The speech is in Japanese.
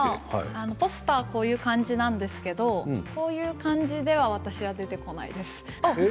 ポスターはこういう感じなんですけどこういう感じでは私は出てこないです。